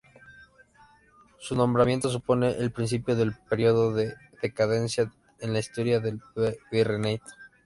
Su nombramiento supone el principio del período de decadencia en la historia del virreinato.